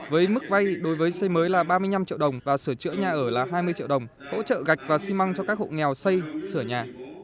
với mức vay đối với xây mới là ba mươi năm triệu đồng và sửa chữa nhà ở là hai mươi triệu đồng hỗ trợ gạch và xi măng cho các hộ nghèo xây sửa nhà